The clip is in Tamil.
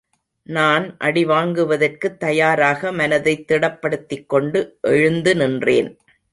நான் அடி வாங்குவதற்குத் தயாராக மனதைத் திடப்படுத்திக் கொண்டு எழுந்து நின்றேன்.